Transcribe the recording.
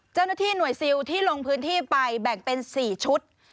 เจ้าหน้าที่หน่วยซิลที่ลงพื้นที่ไปแบ่งเป็น๔ชุด